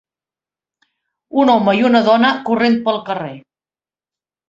Un home i una dona corrent pel carrer.